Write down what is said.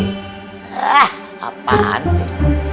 eh apaan sih